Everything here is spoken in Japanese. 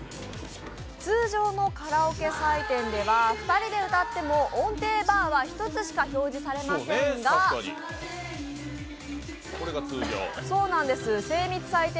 通常のカラオケ採点では、２人で歌っても音程バーは１つしか表示されませんが精密採点